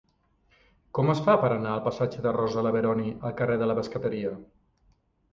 Com es fa per anar del passatge de Rosa Leveroni al carrer de la Pescateria?